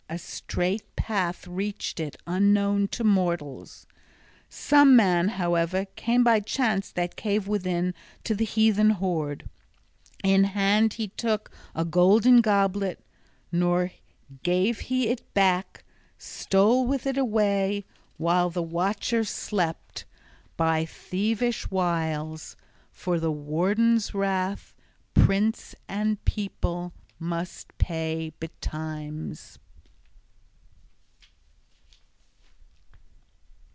A strait path reached it, unknown to mortals. Some man, however, came by chance that cave within to the heathen hoard. {29e} In hand he took a golden goblet, nor gave he it back, stole with it away, while the watcher slept, by thievish wiles: for the warden's wrath prince and people must pay betimes!